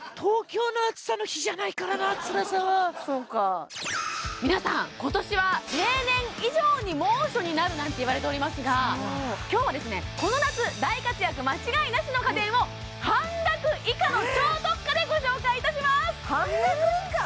ただなそうか皆さん今年は例年以上に猛暑になるなんていわれておりますが今日はですねこの夏大活躍間違いなしの家電を半額以下の超特価でご紹介いたします半額以下！？